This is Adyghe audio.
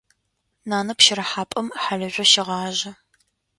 Нанэ пщэрыхьапӏэм хьалыжъо щегъажъэ.